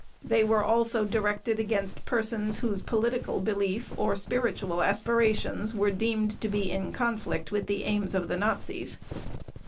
They were also directed against persons whose political belief or spiritual aspirations were deemed to be in conflict with the aims of the Nazis.